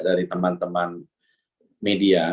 dari teman teman media